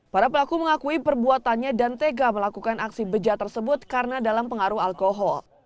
para pelaku mengakui perbuatannya dan tega melakukan aksi beja tersebut karena dalam pengaruh alkohol